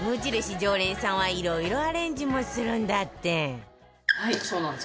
常連さんはいろいろアレンジもするんだってはいそうなんです。